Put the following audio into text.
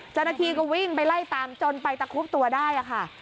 เจ้าหน้าที่ก็วิ่งไปไล่ตามจนไปตะคุบตัวได้ค่ะ